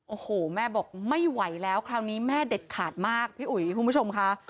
โอ้โหแม่บอกไม่ไหวแล้วคราวนี้แม่เด็ดขาดมากพี่อุ๋ยคุณผู้ชมค่ะ